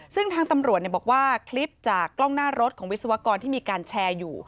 ซึ่งทางตำรวจบอกว่าคลิปจากกล้องหน้ารถของวิศวกรที่มีการแชร์อยู่